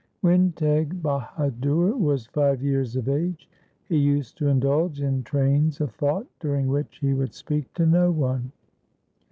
When Teg Bahadur was five years of age, he used to indulge in trains of thought, during which he would speak to no one.